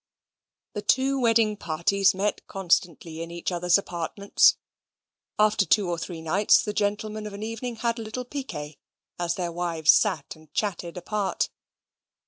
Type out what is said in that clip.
The two wedding parties met constantly in each other's apartments. After two or three nights the gentlemen of an evening had a little piquet, as their wives sate and chatted apart.